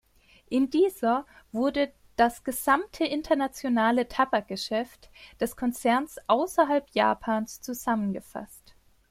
In dieser wurde das gesamte internationale Tabakgeschäft des Konzerns außerhalb Japans zusammengefasst.